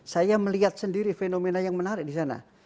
saya melihat sendiri fenomena yang menarik di sana